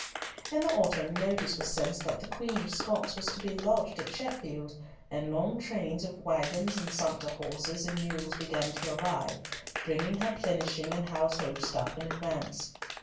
In the autumn, notice was sent that the Queen of Scots was to be lodged at Sheffield, and long trains of waggons and sumpter horses and mules began to arrive, bringing her plenishing and household stuff in advance.